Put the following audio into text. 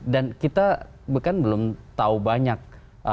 dan kita bukan belum tahu banyak